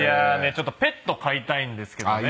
ちょっとペット飼いたいんですけどね。